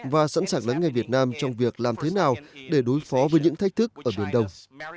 và sẵn sàng lắng nghe việt nam trong việc làm thế nào để đối phó với những thách thức ở biển đông